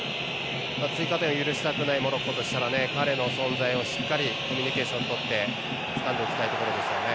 追加点を許したくないモロッコとしたら彼の存在をしっかりコミュニケーションとってつかんでおきたいところですね。